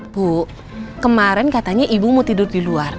bu kemarin katanya ibu mau tidur di luar